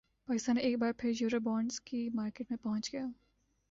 پاکستان ایک بار پھر یورو بانڈز کی مارکیٹ میں پہنچ گیا